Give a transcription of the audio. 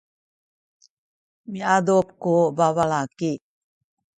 miadup ku babalaki.